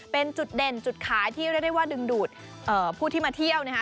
เป็นจุดเด่นจุดคล้ายที่ได้ได้ว่าดึงดูดอ่าพวกที่มาเที่ยวเนี้ยฮะ